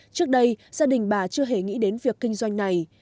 trước đây gia đình bà chưa hề nghĩ đến việc kinh doanh này